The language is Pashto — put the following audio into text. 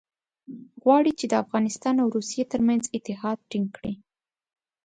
غواړي چې د افغانستان او روسیې ترمنځ اتحاد ټینګ کړي.